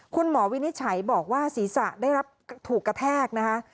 วินิจฉัยบอกว่าศีรษะได้รับถูกกระแทกนะคะ